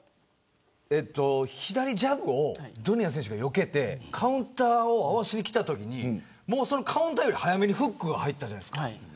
左ジャブをドネア選手がよけてカウンターをしにきたときにそのカウンターより早めにフックが入ったじゃないですか。